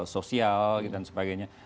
sosial dan sebagainya